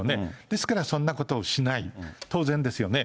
ですから、そんなことをしない、当然ですよね。